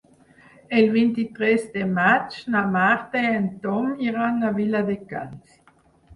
El vint-i-tres de maig na Marta i en Tom iran a Viladecans.